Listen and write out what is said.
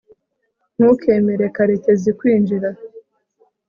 ntukemere karekezi kwinjira